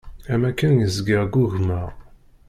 Am akken zgiɣ ggugmeɣ.